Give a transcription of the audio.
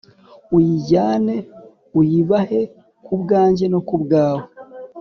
uyijyane uyibahe ku bwanjye no ku bwawe.